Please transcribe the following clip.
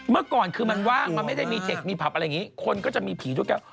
เมื่อก่อนคือมันว่างมันไม่ได้มีเทคมีผับอะไรอย่างนี้คนก็จะมีผีด้วยกัน